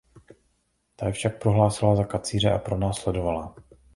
Ta je však prohlásila za kacíře a pronásledovala.